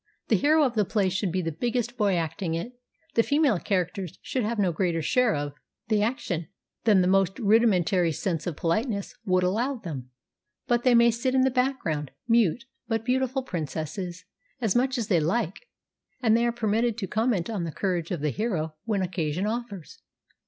The hero of the play should be the biggest boy acting it ; the female characters should have no greater share of 224 THE DAY BEFORE YESTERDAY the action than the most rudimentary sense of politeness would allow them, but they may sit in the background, mute but beautiful princesses, as much as they like, and they are permitted to comment on the courage of the hero when occasion offers.